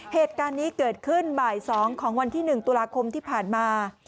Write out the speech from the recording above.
เหตุการณ์นี้เกิดขึ้นบ่าย๒ของวันที่๑ตุลาคมที่ผ่านมา